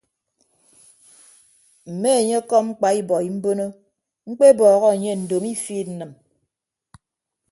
Mme enye ọkọm mkpa ibọi mbono mkpebọhọ anye ndomo ifiid nnịm.